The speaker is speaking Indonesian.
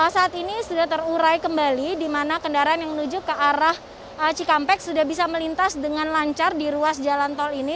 saat ini sudah terurai kembali di mana kendaraan yang menuju ke arah cikampek sudah bisa melintas dengan lancar di ruas jalan tol ini